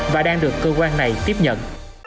và đang được cơ quan này tiếp nhận